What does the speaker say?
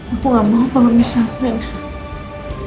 aku gak mau pengemis sama emosi